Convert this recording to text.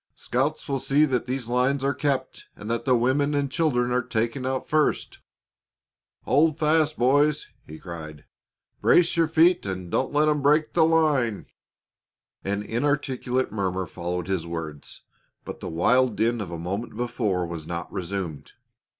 Scouts will see that these lines are kept and that the women and children are taken out first." [Illustration: "Hold fast, boys!" he cried. "Brace your feet and don't let them break the line!"] An inarticulate murmur followed his words, but the wild din of a moment before was not resumed.